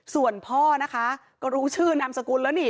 ส่วนพ่อนะคะก็รู้ชื่อนามสกุลแล้วนี่